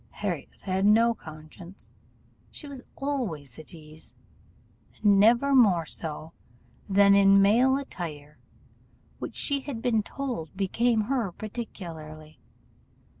Harriot had no conscience, so she was always at ease; and never more so than in male attire, which she had been told became her particularly.